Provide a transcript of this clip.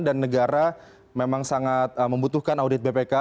dan negara memang sangat membutuhkan audit bpk